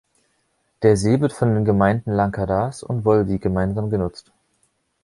Der See wird von den Gemeinden Langadas und Volvi gemeinsam genutzt.